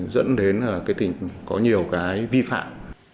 dẫn đến có nhiều vi phạm